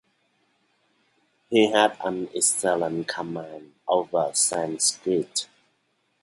He had an excellent command over Sanskrit.